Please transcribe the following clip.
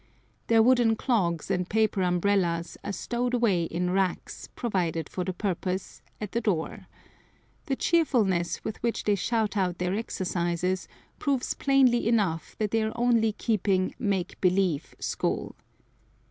Their wooden clogs and paper umbrellas are stowed away in racks, provided for the purpose, at the door. The cheerfulness with which they shout out their exercises proves plainly enough that they are only keeping "make believe" school.